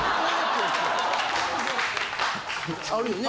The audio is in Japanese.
あるよね？